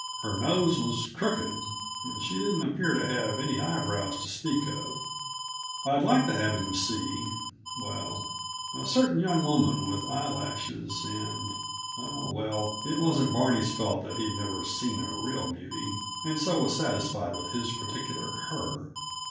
Her nose was crooked, and she didn't appear to have any eyebrows to speak of. I'd like to have him see well, a certain young woman with eyelashes and Oh, well, it wasn't Barney's fault that he'd never seen a real beauty, and so was satisfied with his particular Her.